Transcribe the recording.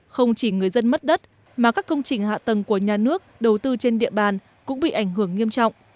không chỉ người dân mất đất mà các công trình hạ tầng của nhà nước đầu tư trên địa bàn cũng bị ảnh hưởng nghiêm trọng